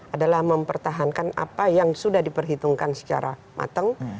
adalah mempertahankan apa yang sudah diperhitungkan secara matang